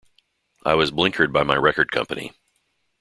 I was blinkered by my record company.